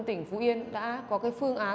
tỉnh phú yên đã có cái phương án